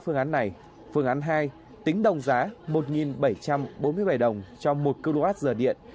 phương án này phương án hai tính đồng giá một bảy trăm bốn mươi bảy đồng cho một kwh điện